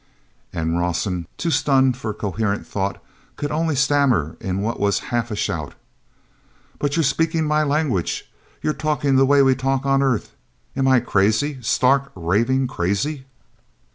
And Rawson, too stunned for coherent thought, could only stammer in what was half a shout: "But you're speaking my language. You're talking the way we talk on earth. Am I crazy? Stark, raving crazy?"